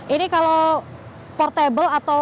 ini kalau portable atau